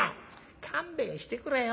「勘弁してくれよ。